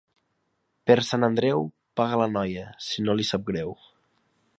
Per Sant Andreu, paga la noia, si no li sap greu.